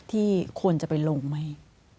ที่ควรจะไปลงไหม